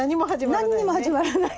何にも始まらない。